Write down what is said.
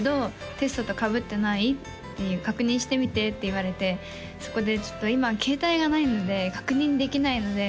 「テストとかぶってない？」っていう「確認してみて」って言われてそこで「ちょっと今携帯がないので」「確認できないので」